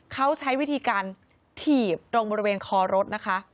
เขาใช้วิธีการถีบตรงบริเวณคอรถนะคะ